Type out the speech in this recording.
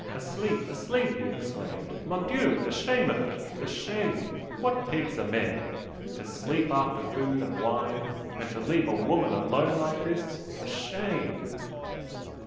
"Asleep asleep!" he exclaimed "Mon Dieu! the shame of it! the shame! What pigs are men! To sleep after food and wine, and to leave a woman alone like this!... the shame!"